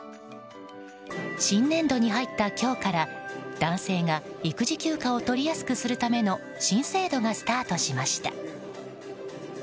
新年度に入った今日から男性が育児休暇を取りやすくするための新制度がスタートしました。